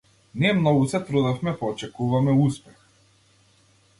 Ние многу се трудевме па очекуваме успех.